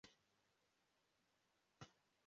Imbwa nini y'imbwa igenda ku giti mu ishyamba